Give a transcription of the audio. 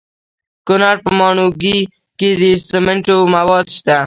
د کونړ په ماڼوګي کې د سمنټو مواد شته.